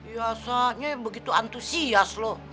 ya saatnya begitu antusias lo